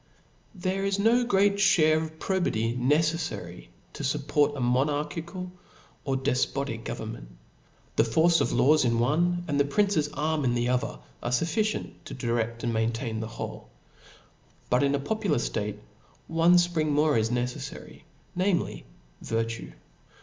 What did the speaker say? Tp HERE is no great ihare of probity necef fary to fupport a monarchical or defpotic government. The force of laws in one, and the prince's arm in the other, are fulficicnt to dirediand itiaintain the whole. But in a popular ftate, one ipring more is necelTary, namely, virtue.